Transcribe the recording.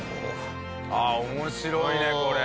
ああ面白いねこれ。